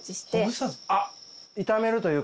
あっ！